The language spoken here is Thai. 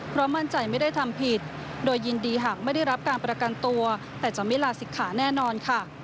เพราะมั่นใจไม่ได้ทำผิดโดยยินดีหากไม่ได้รับการประกันตัวแต่จะไม่ลาศิกขาแน่นอนค่ะ